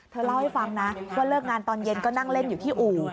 เธอเล่าให้ฟังนะว่าเลิกงานตอนเย็นก็นั่งเล่นอยู่ที่อู่